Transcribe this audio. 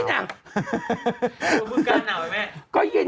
บึกกับหน่าวไปไหม